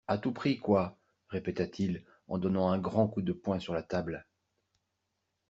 À tout prix, quoi ! répéta-t-il en donnant un grand coup de poing sur la table.